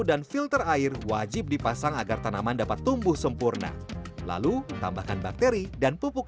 dan filter air wajib dipasang agar tanaman dapat tumbuh sempurna lalu tambahkan bakteri dan pupuk